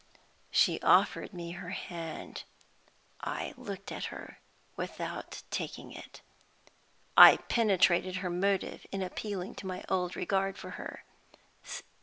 She offered me her hand. I looked at her without taking it. I penetrated her motive in appealing to my old regard for her.